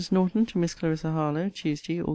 NORTON, TO MISS CLARISSA HARLOWE TUESDAY, AUG.